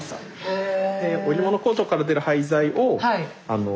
へえ。